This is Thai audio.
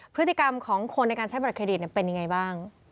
พฤติกรรมของคนในการใช้บัตรเครดิตเป็นยังไงบ้าง